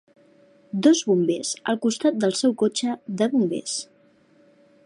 Dos bombers al costat del seu cotxe de bombers.